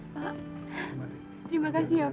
pak terima kasih ya pak